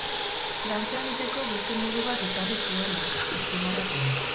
Dantza egiteko beste modu bat ekarri zuela, azpimarratu du.